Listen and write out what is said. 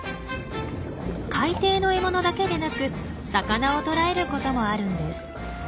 海底の獲物だけでなく魚を捕らえることもあるんです。